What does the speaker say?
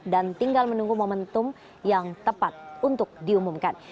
dan tinggal menunggu momentum yang tepat untuk diumumkan